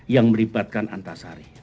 yang melibatkan antasari